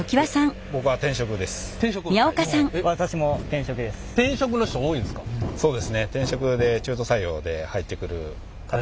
転職の人多いんですか？